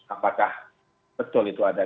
apakah betul itu ada